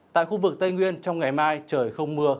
tại khu vực tây nguyên trong ngày mai trời không mưa